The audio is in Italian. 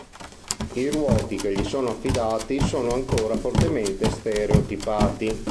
I ruoti che gli sono affidati sono ancora fortemente stereotipati.